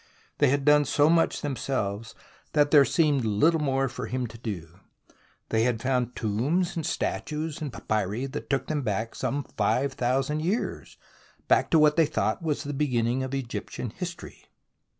They had done so much themselves that there seemed little more for him to do. They had found tombs and statues and papyri that took them back some five thousand years to what they thought was the beginning of Egyptian history.